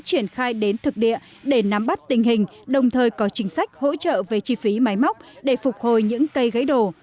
triển khai đến thực địa để nắm bắt tình hình đồng thời có chính sách hỗ trợ về chi phí máy móc để phục hồi những cây gãy đổ